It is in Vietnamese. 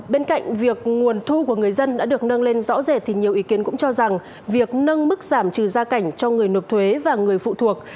bên cạnh việc nguồn thu của người dân đã được nâng lên rõ rệt thì nhiều ý kiến cũng cho rằng việc nâng mức giảm trừ gia cảnh cho người nộp thuế và người phụ thuộc